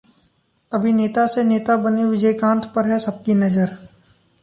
अभिनेता से नेता बने विजयकांत पर है सबकी नजर